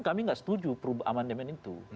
kami tidak setuju perubahan demand itu